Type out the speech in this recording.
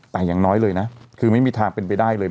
แต่อย่างน้อยเลยนะคือไม่มีทางเป็นไปได้เลย